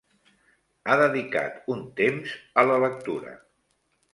Ha dedicat un temps a la lectura.